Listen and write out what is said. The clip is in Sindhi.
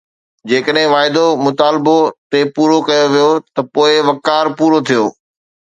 جيڪڏهن واعدو مطالبو تي پورو ڪيو ويو ته پوء وقار پورو ٿيو